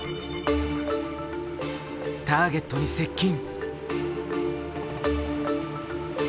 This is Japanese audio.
ターゲットに接近。